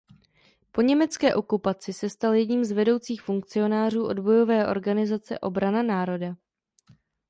Po německé okupaci se stal jedním z vedoucích funkcionářů odbojové organizace Obrana národa.